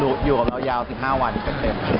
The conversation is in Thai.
อยู่กับเรายาว๑๕วันเต็ม